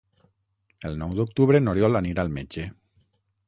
El nou d'octubre n'Oriol anirà al metge.